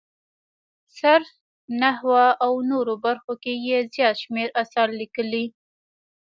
صرف، نحوه او نورو برخو کې یې زیات شمېر اثار لیکلي.